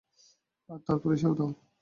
আর তারপরেই সে উধাও।